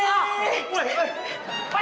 weh weh apaan